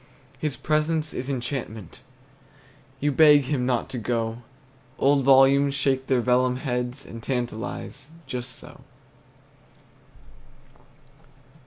His presence is enchantment, You beg him not to go; Old volumes shake their vellum heads And tantalize, just so.